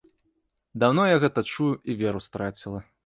Даўно я гэта чую і веру страціла.